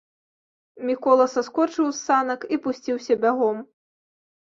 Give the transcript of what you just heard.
Мікола саскочыў з санак і пусціўся бягом.